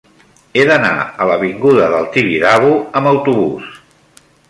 He d'anar a l'avinguda del Tibidabo amb autobús.